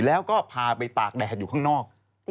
แล้วก็พาไปตากแดดอยู่ข้างนอก